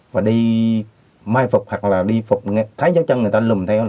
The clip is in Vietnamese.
và đi mai phục hoặc là đi phục thái giáo chân người ta lùm theo